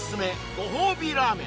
ご褒美ラーメン